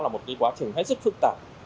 là một cái quá trình hết sức phức tạp